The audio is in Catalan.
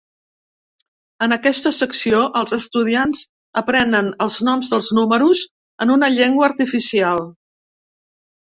En aquesta secció els estudiants aprenen els noms dels números en una llengua artificial.